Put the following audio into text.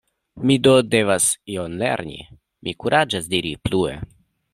Mi do devas ion lerni, mi kuraĝis diri plue.